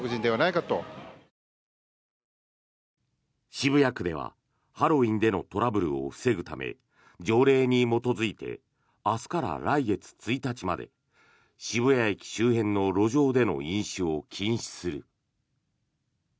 渋谷区では、ハロウィーンでのトラブルを防ぐため条例に基づいて明日から来月１日まで渋谷駅周辺の路上での飲酒を禁止する。